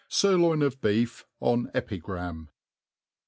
Sirloin of Beef en. Epigram.